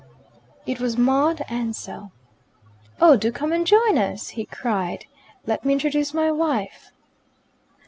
It was Maud Ansell. "Oh, do come and join us!" he cried. "Let me introduce my wife."